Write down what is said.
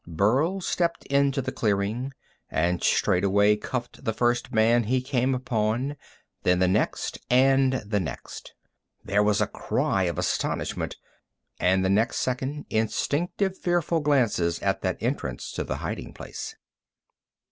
Burl stepped into the clearing, and straightway cuffed the first man he came upon, then the next and the next. There was a cry of astonishment, and the next second instinctive, fearful glances at that entrance to the hiding place.